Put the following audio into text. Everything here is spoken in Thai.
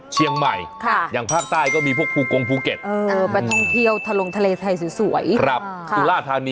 เชียงใหม่อย่างภาคใต้ก็มีพวกภูกงภูเก็ตไปท่องเที่ยวทะลงทะเลไทยสวยสุราธานี